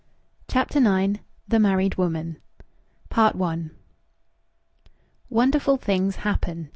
CHAPTER IX THE MARRIED WOMAN I Wonderful things happen.